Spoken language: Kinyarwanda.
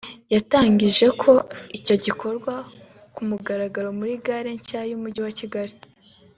yatangije ko icyo gikorwa ku mugaragaro muri gare nshya y’Umujyi wa Kigali